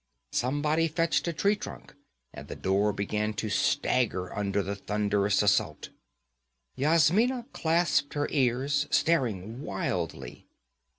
Somebody fetched a tree trunk, and the door began to stagger under the thunderous assault. Yasmina clasped her ears, staring wildly.